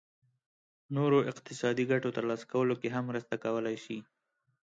نورو اقتصادي ګټو ترلاسه کولو کې هم مرسته کولای شي.